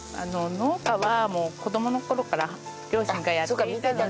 農家は子供の頃から両親がやっていたので。